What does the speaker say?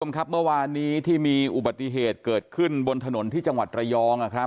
เมื่อวานนี้ที่มีอุบัติเหตุเกิดขึ้นบนถนนที่จังหวัดระยอง